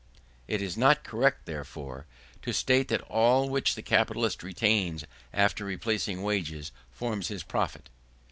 It is not correct, therefore, to state that all which the capitalist retains after replacing wages forms his profit.